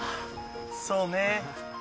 そうね。